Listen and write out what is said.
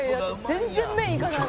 「全然麺いかないもん」